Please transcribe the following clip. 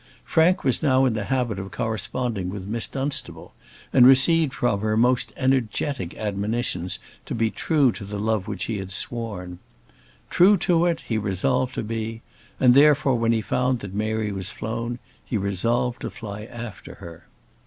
Frank was now in the habit of corresponding with Miss Dunstable, and received from her most energetic admonitions to be true to the love which he had sworn. True to it he resolved to be; and therefore, when he found that Mary was flown, he resolved to fly after her.